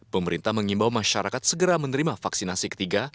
pemerintah mengimbau masyarakat segera menerima vaksinasi ketiga